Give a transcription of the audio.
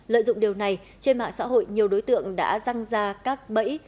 lợi dụng điều này trên mạng xã hội nhiều đối tượng đã răng ra các bẫy